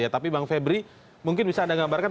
tapi bang febri mungkin bisa anda gambarkan